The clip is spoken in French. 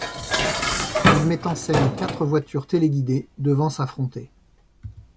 Il met en scène quatre voitures téléguidés devant s'affronter.